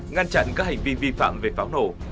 ngăn chặn các hành vi vi phạm về pháo nổ